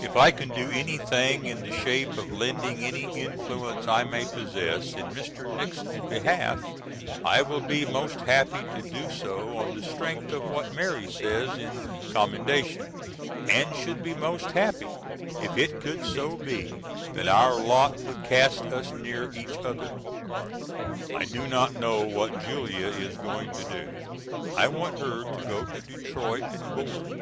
If I can do anything in the shape of lending any influence I may possess in Mr. Nixon's behalf I will be most happy to do so on the strength of what Mary says in commendation, and should be most happy if it could so be that our lot would cast us near each other. I do not know what Julia is going to do. I want her to go to Detroit and board.